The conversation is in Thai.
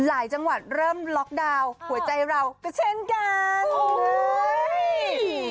จังหวัดเริ่มล็อกดาวน์หัวใจเราก็เช่นกัน